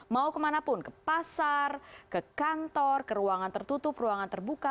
mau kemanapun ke pasar ke kantor ke ruangan tertutup ruangan terbuka